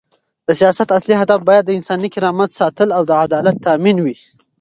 د سیاست اصلي هدف باید د انساني کرامت ساتل او د عدالت تامین وي.